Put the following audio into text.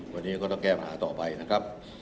วันนี้ก็ต้องแก้ปัญหาต่อไปนะครับ